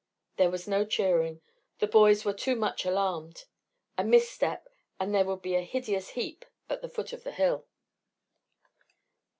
There was no cheering; the boys were too much alarmed. A mis step and there would be a hideous heap at the foot of the hill.